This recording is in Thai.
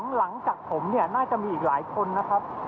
หลังจากผมเนี่ยน่าจะมีอีกหลายคนนะครับ